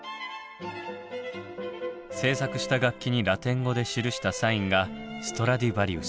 製作した楽器にラテン語で記したサインが「ストラディバリウス」。